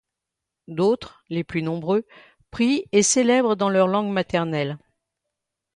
D'autres, les plus nombreux, prient et célèbrent dans leurs langues maternelles.